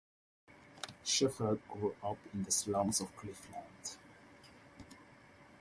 Shepherd grew up in the slums of Cleveland.